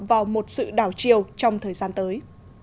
vào một sự đảo chiều trong thời gian tới